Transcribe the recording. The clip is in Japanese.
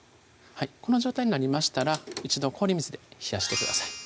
この状態になりましたら一度氷水で冷やしてください